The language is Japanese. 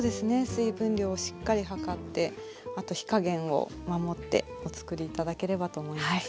水分量をしっかり量ってあと火加減を守ってお作り頂ければと思います。